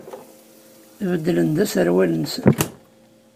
Beddlen-d aserwal-nsen?